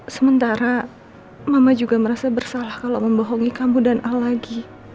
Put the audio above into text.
sementara mama juga merasa bersalah kalau membohongi kamu dan al lagi